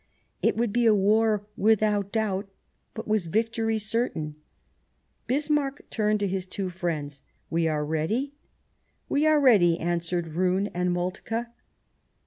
It would be war without doubt, but was victory certain ? Bismarck turned to his two friends :" We are ready ?"" We are ready," answered Roon and Moltke.